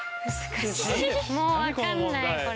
もう分かんないこれ。